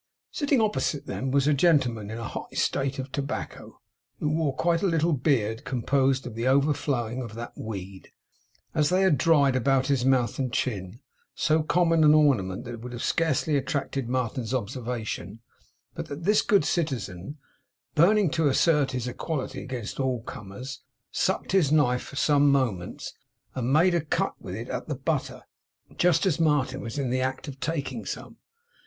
Sitting opposite to them was a gentleman in a high state of tobacco, who wore quite a little beard, composed of the overflowing of that weed, as they had dried about his mouth and chin; so common an ornament that it would scarcely have attracted Martin's observation, but that this good citizen, burning to assert his equality against all comers, sucked his knife for some moments, and made a cut with it at the butter, just as Martin was in the act of taking some.